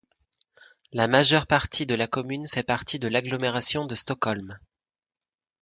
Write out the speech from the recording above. La majeure partie de la commune fait partie de l'agglomération de Stockholm.